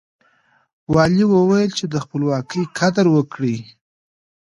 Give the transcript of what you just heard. والي وويل چې د خپلواکۍ قدر وکړئ.